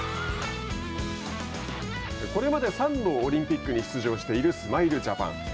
これまで３度オリンピックに出場しているスマイルジャパン。